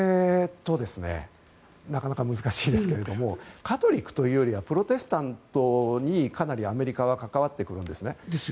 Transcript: なかなか難しいですがカトリックというよりはプロテスタントにかなりアメリカは関わってくるんですね。